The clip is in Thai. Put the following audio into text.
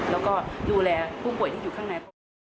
แล้วก็ดูแลผู้ป่วยที่อยู่ข้างใน